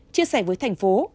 chia sẻ với thành phố